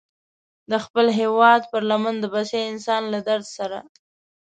د خپل هېواد پر لمن د بسیا انسان له درد سره.